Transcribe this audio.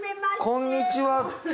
こんにちは！